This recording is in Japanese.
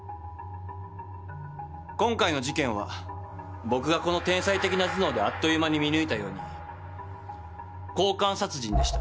今回の事件は僕がこの天才的な頭脳であっという間に見抜いたように交換殺人でした。